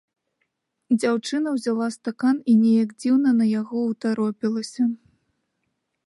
Дзяўчына ўзяла стакан і неяк дзіўна на яго ўтаропілася.